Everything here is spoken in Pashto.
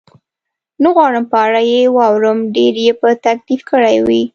نه غواړم په اړه یې واورم، ډېر یې په تکلیف کړی وې؟